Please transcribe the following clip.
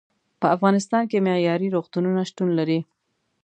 په افغانستان کې معیارې روغتونونه شتون لري.